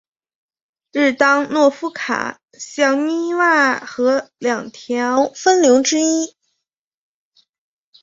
日当诺夫卡小涅瓦河两条分流之一。